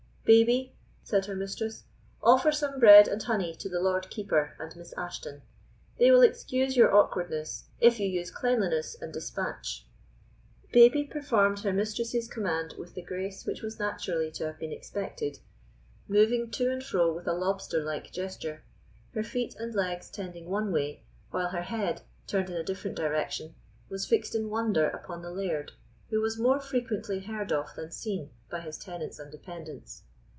"Babie," said her mistress, "offer some bread and honey to the Lord Keeper and Miss Ashton; they will excuse your awkwardness if you use cleanliness and despatch." Babie performed her mistress's command with the grace which was naturally to have been expected, moving to and fro with a lobster like gesture, her feet and legs tending one way, while her head, turned in a different direction, was fixed in wonder upon the laird, who was more frequently heard of than seen by his tenants and dependants.